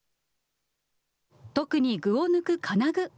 特に具を抜く金具。